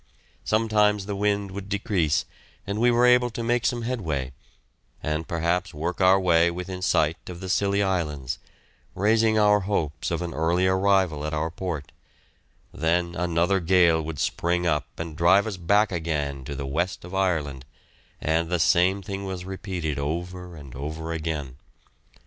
Sometimes the wind would decrease and we were able to make some headway, and perhaps work our way within sight of the Scilly Islands, raising our hopes of an early arrival at our port, then another gale would spring up and drive us back again to the west of Ireland, and the same thing was repeated over and over again.